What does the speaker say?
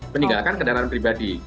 meninggalkan kendaraan pribadi